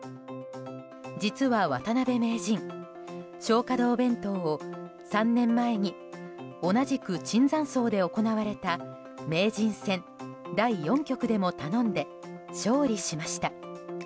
実は渡辺名人、松花堂弁当を３年前に同じく椿山荘で行われた名人戦第４局でも頼んで勝利しました。